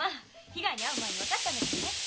被害に遭う前に分かったんだからね。